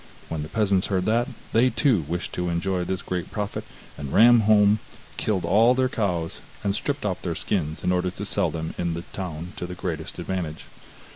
When the peasants heard that, they too wished to enjoy this great profit, and ran home, killed all their cows, and stripped off their skins in order to sell them in the town to the greatest advantage.